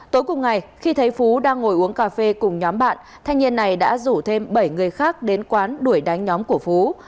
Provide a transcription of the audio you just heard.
tối cùng ngày khi thấy phú đang ngồi uống cà phê cùng nhóm bạn thanh niên này đã rủ thêm bảy người khác đến quán đuổi đánh nhóm của phú